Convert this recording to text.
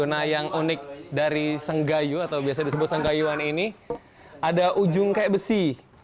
nah yang unik dari senggayu atau biasa disebut senggayuan ini ada ujung kayak besi